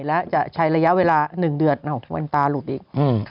และจะใช้ระยะเวลา๑เดือนวันตาหลุดอีก